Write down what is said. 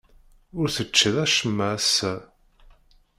Ur teččiḍ acemma ass-a?